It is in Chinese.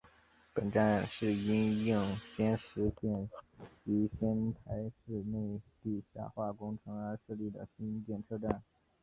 本站是因应仙石线于仙台市内地下化工程而设立的新建车站。